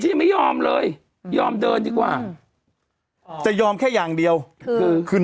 ยังไม่ยอมเลยยอมเดินดีกว่าจะยอมแค่อย่างเดียวคือคืน